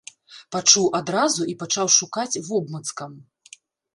Пачуў адразу і пачаў шукаць вобмацкам.